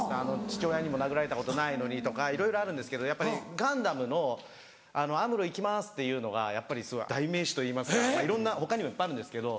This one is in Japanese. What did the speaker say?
「父親にも殴られたことないのに」とかいろいろあるんですけどやっぱりガンダムの「アムロ行きます！」っていうのがやっぱり代名詞といいますか他にもいっぱいあるんですけど。